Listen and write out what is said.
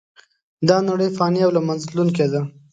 دا نړۍ فانې او له منځه تلونکې ده .